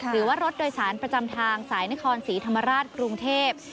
หรือว่ารถโดยสารประจำทางสายนครศรีธรรมราชกรุงเทพ